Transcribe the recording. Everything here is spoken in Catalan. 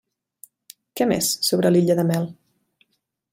Què més sobre l'illa de Mel?